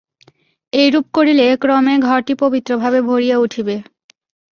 এইরূপ করিলে ক্রমে ঘরটি পবিত্রভাবে ভরিয়া উঠিবে।